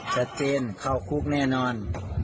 ชัดเจนเข้าคุกแน่นอน